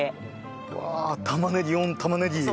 うわあ玉ねぎオン玉ねぎ。